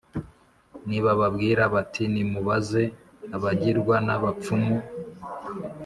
Nibababwira bati «Nimubaze abagirwa n’abapfumu,